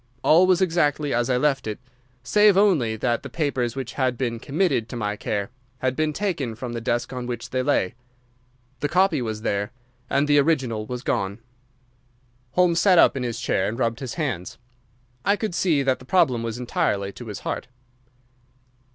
All was exactly as I left it, save only that the papers which had been committed to my care had been taken from the desk on which they lay. The copy was there, and the original was gone." Holmes sat up in his chair and rubbed his hands. I could see that the problem was entirely to his heart.